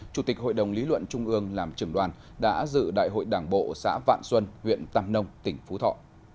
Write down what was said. chủ tịch hội đồng lý luận trung ương làm trưởng đoàn đã dự đại hội đảng bộ xã vạn xuân huyện tàm nông tỉnh phú thọ